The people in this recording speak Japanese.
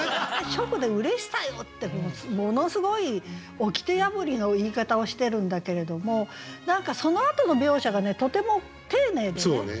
初句で「嬉しさよ」ってものすごいおきて破りの言い方をしてるんだけれども何かそのあとの描写がとても丁寧でね。